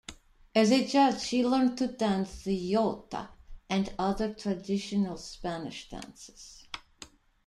As a child, she learned to dance the jota and other traditional Spanish dances.